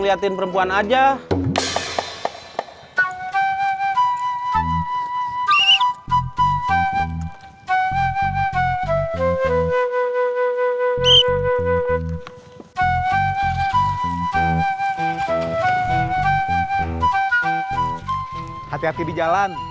hati hati di jalan